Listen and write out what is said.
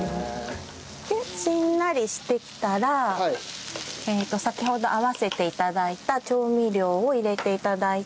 でしんなりしてきたら先ほど合わせて頂いた調味料を入れて頂いて。